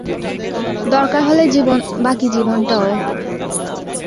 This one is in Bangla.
দরকার হলে বাকি জীবনটাও।